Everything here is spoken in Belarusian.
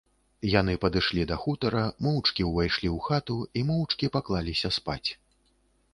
Яны падышлі да хутара, моўчкі ўвайшлі ў хату і моўчкі паклаліся спаць.